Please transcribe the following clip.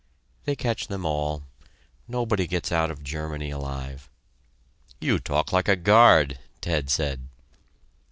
"They catch them all; nobody gets out of Germany alive." "You talk like a guard!" Ted said.